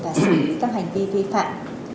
và sử dụng các hành vi vi phạm